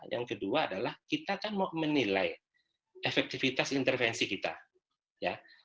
yang kedua adalah kita kan mau menilai efektivitas intervensi kita ya